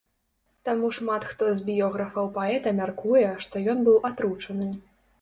Таму шмат хто з біёграфаў паэта мяркуе, што ён быў атручаны.